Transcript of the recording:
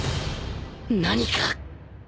何か